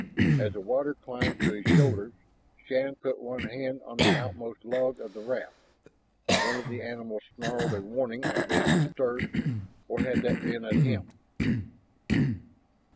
As the water climbed to his shoulders Shann put one hand on the outmost log of the raft. One of the animals snarled a warning at being disturbed. Or had that been at him?